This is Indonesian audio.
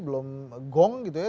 belum gong gitu ya